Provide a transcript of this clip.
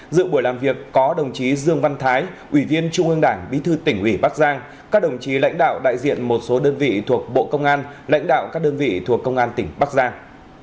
dự buổi làm việc có đồng chí dương văn thái ủy viên trung ương đảng bí thư tỉnh ủy bắc giang các đồng chí lãnh đạo đại diện một số đơn vị thuộc bộ công an lãnh đạo các đơn vị thuộc công an tỉnh bắc giang